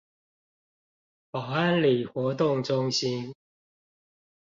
寶安里活動中心